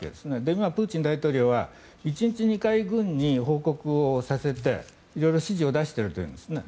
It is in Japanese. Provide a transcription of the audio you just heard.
今、プーチン大統領は１日２回、軍に報告をさせて色々指示を出してるというんですね。